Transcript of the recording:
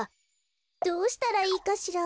どうしたらいいかしら。